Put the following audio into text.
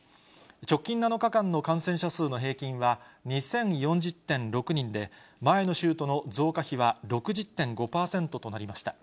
直近７日間の感染者数の平均は２０４０．６人で、前の週との増加比は６０．５％となりました。